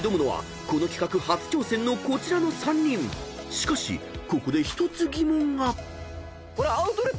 ［しかしここで１つ疑問が］